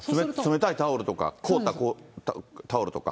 冷たいタオルとか、凍ったタオルとか。